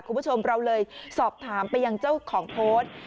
คุณผู้ชมเราเลยสอบถามไปยังเจ้าของโพสต์